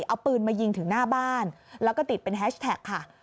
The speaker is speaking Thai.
เอาปืนมายิงถึงหน้าบ้านแล้วก็ติดเป็นแฮชแท็กค่ะ